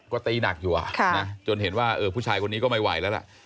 ก็ตีหนักอยู่จนเห็นว่าผู้ชายคนนี้ก็ไม่ไหวแล้วล่ะ